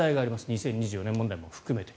２０２４年問題も含めて。